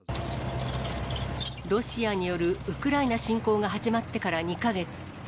ロシアによるウクライナ侵攻が始まってから２か月。